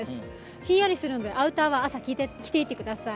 ひんやりするのでアウターは着ていってください。